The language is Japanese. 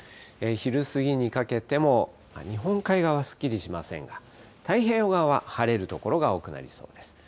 昼過ぎにかけても日本海側、すっきりしませんが、太平洋側は晴れる所が多くなりそうです。